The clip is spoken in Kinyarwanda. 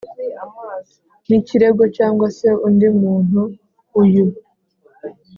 n ikirego cyangwa se undi muntu uyu